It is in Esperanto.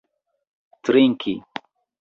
trinki